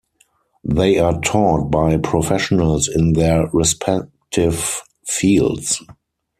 They are taught by professionals in their respective fields.